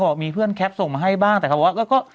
มีเพื่อนแคปส่งมาให้บ้างแต่เขาบอกว่าก็